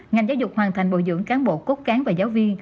ngành giáo dục hoàn thành bồi dưỡng cán bộ cốt cán và giáo viên